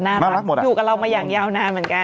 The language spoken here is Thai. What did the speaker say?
น่ารักอยู่กับเรามาอย่างยาวนานเหมือนกัน